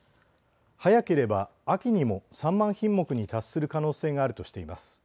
早ければ秋にも３万品目に達する可能性があるとしています。